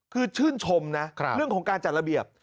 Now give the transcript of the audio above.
คือชื่นชมนะเรื่องของการจัดระเบียบ